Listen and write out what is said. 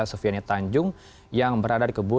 sufiani tanjung yang berada di kebun